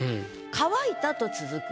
「乾いた」と続く。